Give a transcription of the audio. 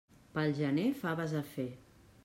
Pel gener, faves a fer.